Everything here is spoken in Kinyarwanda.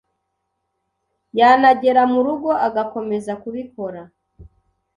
yanagera mu rugo, agakomeza kubikora